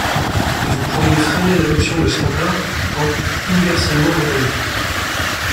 et vous pourriez freiner l'adoption de standards pourtant universellement reconnus.